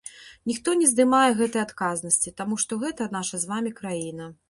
Ніхто не здымае гэтай адказнасці, таму што гэта наша з вамі краіна.